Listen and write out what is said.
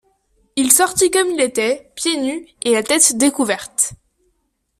Il sortit comme il était, pieds nus et la tête découverte.